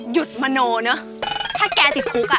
หยุดมโนเนอะถ้าแกติดคุกอ่ะ